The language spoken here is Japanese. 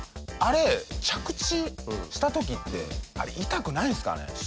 あれ着地した時って痛くないんですかね？